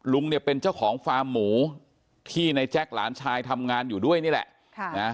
ลุงเนี่ยเป็นเจ้าของฟาร์มหมูที่ในแจ๊คหลานชายทำงานอยู่ด้วยนี่แหละ